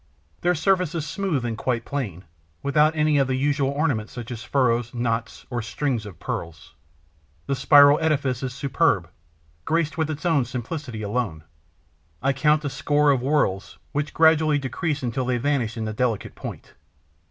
Their surface is smooth and quite plain, without any of the usual ornaments, such as furrows, knots or strings of pearls. The spiral edifice is superb, graced with its own simplicity alone. I count a score of whorls which gradually decrease until they vanish in the delicate point.